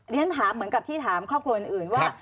เรียนถามเหมือนกับที่ถามครอบครัวอื่นว่า